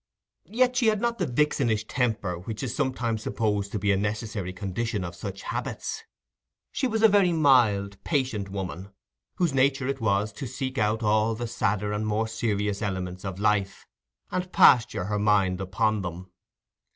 Yet she had not the vixenish temper which is sometimes supposed to be a necessary condition of such habits: she was a very mild, patient woman, whose nature it was to seek out all the sadder and more serious elements of life, and pasture her mind upon them.